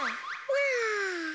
わあ！